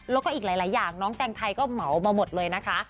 แล้วก็อีกหลายอย่างน้องแตงไทยก็เหมามาหมดเลยนะคะ